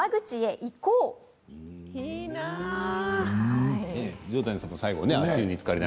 いいな。